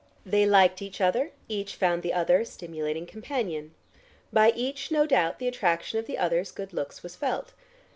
They liked each other; each found the other a stimulating companion; by each no doubt the attraction of the other's good looks was felt.